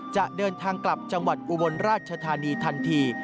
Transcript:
จะเดินทางกลับจังหวัดอุบลราชธานีทันที